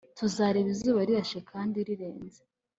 tuzareba izuba rirashe kandi rirenze